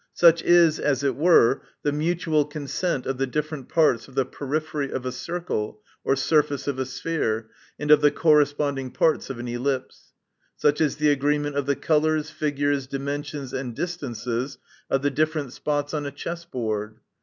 Such is, as it were, the mutual consent of the different parts of the periphery of a circle, or surface of a sphere, and of the corresponding parts of an ellipsis. Such is the agreement of the colors, figures, dimensions and distances of the different spots on the chess board.